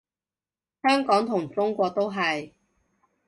香港同中國都係